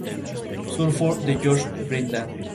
El pedido fracasó.